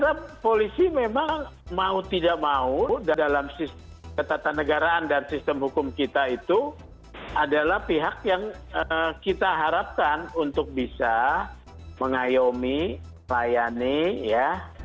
karena polisi memang mau tidak mau dalam ketatanegaraan dan sistem hukum kita itu adalah pihak yang kita harapkan untuk bisa mengayomi layani ya